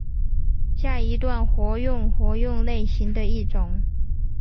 下一段活用活用类型的一种。